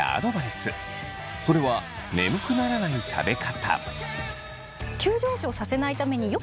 それは眠くならない食べ方。